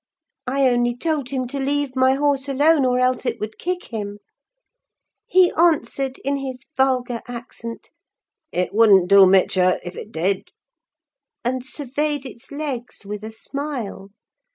I only told him to leave my horse alone, or else it would kick him. He answered in his vulgar accent, 'It wouldn't do mitch hurt if it did;' and surveyed its legs with a smile.